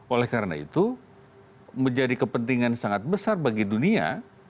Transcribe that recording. oleh karena itu menjadi kepentingan sangat besar bagi dunia